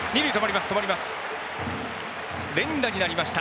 連打になりました。